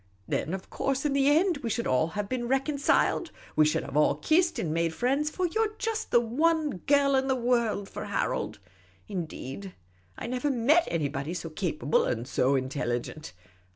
Then, of course, in the end, we should all have been reconciled ; we should have kissed and made friends : for you 're just the one girl in the world for Harold ; indeed, I never met anybody so capable and so intelligent.